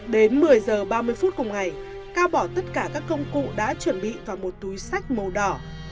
đến một mươi h ba mươi phút cùng ngày cao bỏ tất cả các công cụ đã chuẩn bị vào một túi sách màu đỏ